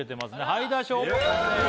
はいだしょうこさんです